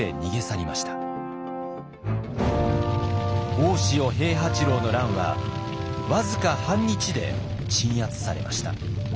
大塩平八郎の乱は僅か半日で鎮圧されました。